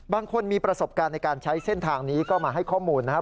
บางคนมีประสบการณ์ในการใช้เส้นทางนี้ก็มาให้ข้อมูลนะครับ